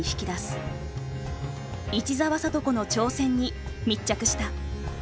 市澤智子の挑戦に密着した。